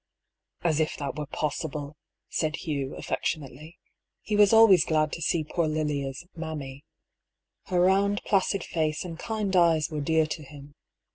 " As if that were possible," said Hugh, affectionately. He was always glad to see poor Lilia's " mammy." Her round placid face and kind eyes were dear to him.